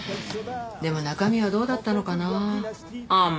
でも中身はどうだったのかなあ。